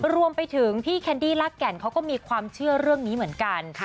รวมไปถึงพี่แคนดี้ลากแก่นเขาก็มีความเชื่อเรื่องนี้เหมือนกัน